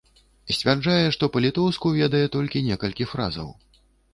Сцвярджае, што па-літоўску ведае толькі некалькі фразаў.